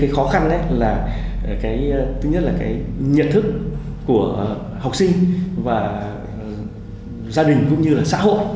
khó khăn là cái thứ nhất là cái nhận thức của học sinh và gia đình cũng như là xã hội